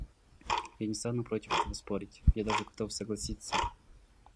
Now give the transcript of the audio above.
Я не стану против этого спорить, я даже готов согласиться.